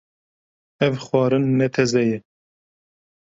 Ev xwarin ne teze ye.